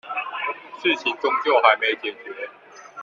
事情終究還沒解決